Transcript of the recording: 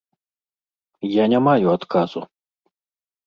Я не маю адказу.